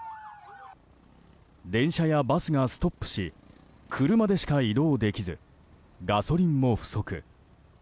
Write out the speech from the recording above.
電車やバスがストップし車でしか移動できずガソリンも不足。